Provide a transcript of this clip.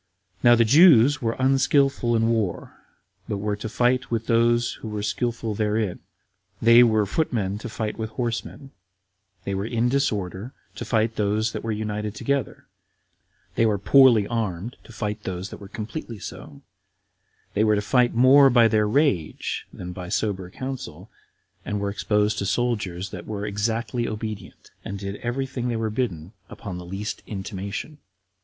Now the Jews were unskillful in war, but were to fight with those who were skillful therein; they were footmen to fight with horsemen; they were in disorder, to fight those that were united together; they were poorly armed, to fight those that were completely so; they were to fight more by their rage than by sober counsel, and were exposed to soldiers that were exactly obedient; and did every thing they were bidden upon the least intimation.